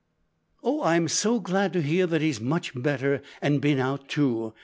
"Oh! I'm so glad to hear that he's much better, and been out too!